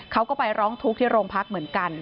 เขาก็ไปร้องทุกข์ที่โรงพักเหมือนกัน